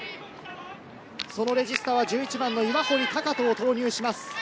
そのレジスタは１１番の岩堀匠隼を投入します。